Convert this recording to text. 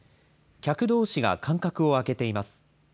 客どうしが間隔を空けています。